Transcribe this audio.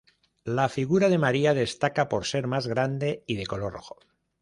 La figura de María destaca por ser más grande y de color rojo.